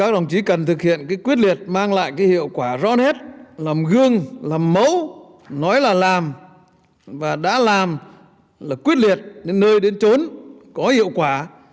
ronhead làm gương làm mẫu nói là làm và đã làm là quyết liệt đến nơi đến trốn có hiệu quả